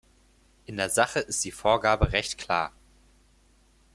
In der Sache ist die Vorgabe recht klar.